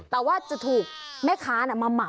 แต่ว่าจะถูกแม่ค้าเนี่ยมะเหมา